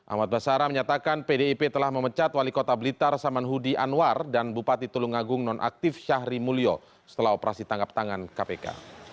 ahmad basarah menyatakan pdip telah memecat wali kota blitar saman hudi anwar dan bupati telung agung nonaktif syahri mulyo setelah operasi tangkap tangan kpk